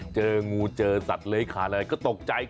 เจองูเจอสัตว์เล้ยขาอะไรก็ตกใจ